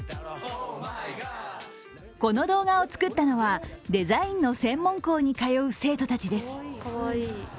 この動画を作ったのは、デザインの専門校に通う生徒たちです。